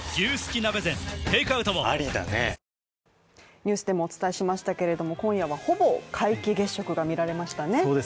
ニュースでもお伝えしましたけれども今夜はほぼ皆既月食が見られましたね